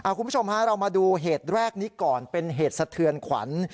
คุณผู้ชมฮะเรามาดูเหตุแรกนี้ก่อนเป็นเหตุสะเทือนขวัญ